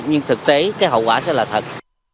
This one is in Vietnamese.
nhưng thực tế cái hậu quả sẽ là thật